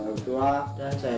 langsung saja kami tanya